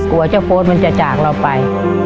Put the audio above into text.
กลัวเจ้าโฟสจะจากเราไป